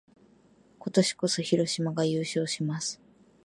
今年こそ、広島が優勝します！